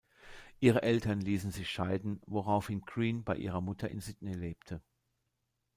Ihre Eltern ließen sich scheiden, woraufhin Green bei ihrer Mutter in Sydney lebte.